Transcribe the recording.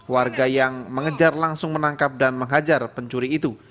warga yang mengejar langsung menangkap dan menghajar pencuri itu